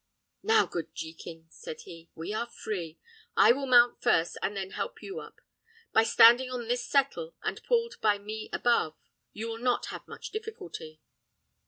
"Now, good Jekin," said he, "we are free. I will mount first, and then help you up; by standing on this settle, and pulled by me above, you will not have much difficulty."